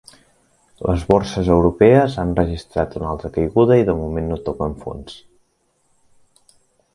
Les borses europees han registrat una altra caiguda i de moment no toquen fons.